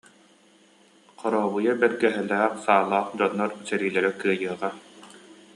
Хорообуйа бэргэһэлээх саалаах дьоннор сэриилэрэ кыайыаҕа